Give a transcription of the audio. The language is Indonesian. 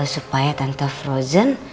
supaya tante frozen